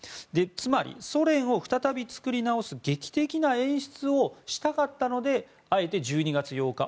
つまり、ソ連を再び作り直す劇的な演出をしたかったのであえて１２月８日